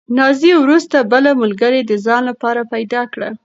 نازیې وروسته بله ملګرې د ځان لپاره پیدا کړه.